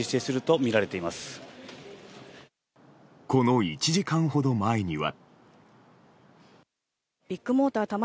この１時間ほど前には。